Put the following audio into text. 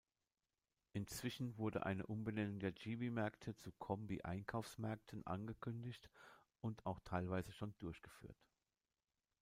Inzwischen wurde eine Umbenennung der Jibi-Märkte zu Combi-Einkaufsmärkten angekündigt und auch teilweise schon durchgeführt.